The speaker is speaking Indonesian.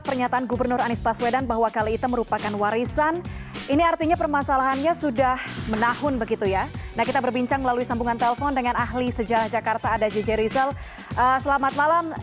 pemerintah provinsi dki jakarta jakarta